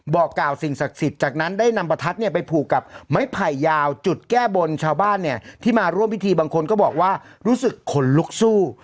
บอกกล่าวสิ่งศักดิ์สิทธิ์จากนั้นได้นำประทัดเนี่ยไปผูกกับไม้ไผ่ยาวจุดแก้บนชาวบ้านเนี่ยที่มาร่วมพิธีบางคนก็บอกว่ารู้สึกขนลุกสู้